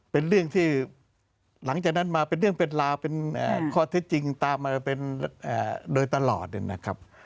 เป็นเรื่องที่หลังจากนั้นมาเป็นเรื่องเป็นราวเป็นข้อเท็จจริงตามมาเป็นโดยตลอดนะครับ